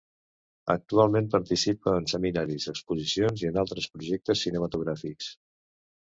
Actualment participa en seminaris, exposicions i en altres projectes cinematogràfics.